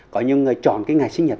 có những người chọn cái ngày sinh nhật